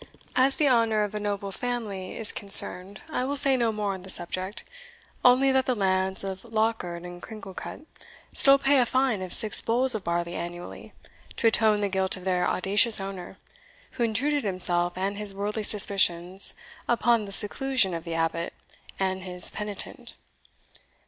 As the honour of a noble family is concerned, I will say no more on the subject, only that the lands of Lochard and Cringlecut still pay a fine of six bolls of barley annually, to atone the guilt of their audacious owner, who intruded himself and his worldly suspicions upon the seclusion of the Abbot and his penitent.